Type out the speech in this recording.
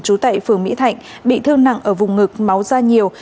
trú tại phường mỹ thạnh bị thương nặng ở vùng ngực máu da nhiều